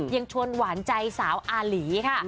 ยังชวนหวานใจสาวอาหลีค่ะ